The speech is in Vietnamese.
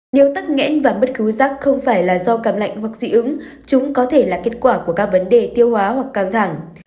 nếu tắc nghẽn và bất cứ rác không phải là do cảm lạnh hoặc dị ứng chúng có thể là kết quả của các vấn đề tiêu hóa hoặc căng thẳng